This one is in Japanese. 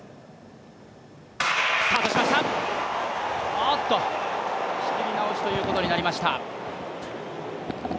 おっと、仕切り直しということになりました。